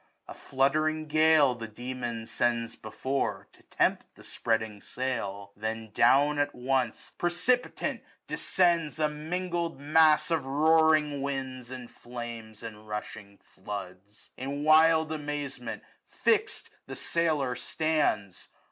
A fluttering gale, the demon sends before^ To tempt the spreading sail. Then down at once. Precipitant, descends a mingled mass 995 Of roaring winds, and flame, and rushing floods. In wild amazement fix'd the sailor stands.